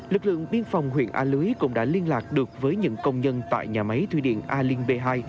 lực lượng biên phòng huyện a lưới cũng đã liên lạc được với những công nhân tại nhà máy thủy điện alin b hai